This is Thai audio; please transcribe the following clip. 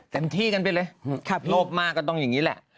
เต็มที่กันไปเลยโลภมากก็ต้องอย่างนี้แหละ